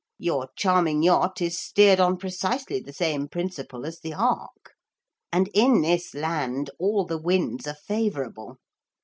Your charming yacht is steered on precisely the same principle as the ark. And in this land all the winds are favourable.